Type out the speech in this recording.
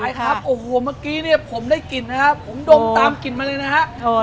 ใช่ครับโอ้โหเมื่อกี้เนี่ยผมได้กลิ่นนะครับผมดมตามกลิ่นมาเลยนะครับ